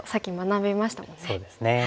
そうですね。